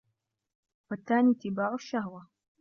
وَالثَّانِي اتِّبَاعُ الشَّهْوَةِ